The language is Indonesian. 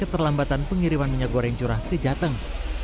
keterlambatan pengiriman minyak goreng curah ke jateng